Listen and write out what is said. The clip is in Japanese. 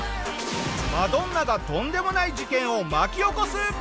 マドンナがとんでもない事件を巻き起こす！？